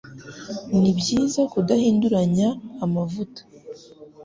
Ni byiza kudahindaguranya amavuta